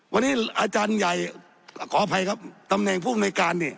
วันนี้อาจารย์ใหญ่ขออภัยครับตำแหน่งผู้อำนวยการนี่